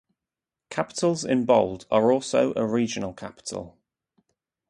Capitals in bold are also a regional capital.